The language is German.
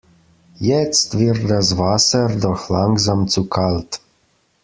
Jetzt wird das Wasser doch langsam zu kalt.